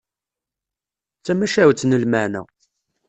D tamacahut n lmeɛna.